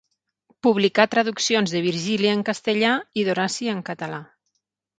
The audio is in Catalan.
Publicà traduccions de Virgili en castellà i d'Horaci en català.